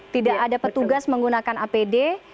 tidak ada petugas menggunakan apd